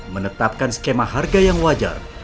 menetapkan skema harga yang wajar